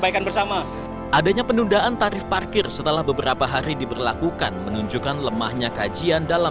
sampaikan bersama adanya penundaan tarif parkir setelah beberapa hari diberlakukan menunjukkan lemahnya kajian dalam